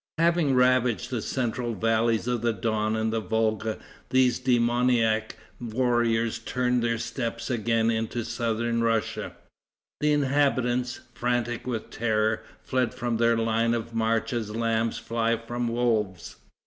Having ravaged the central valleys of the Don and the Volga, these demoniac warriors turned their steps again into southern Russia. The inhabitants, frantic with terror, fled from their line of march as lambs fly from wolves.